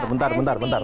bentar bentar bentar